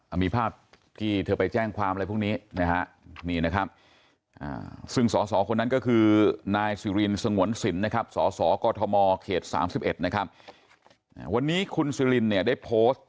อ่ามีภาพที่เธอไปแจ้งความอะไรพรุ่งนี้นะฮะนี่นะครับ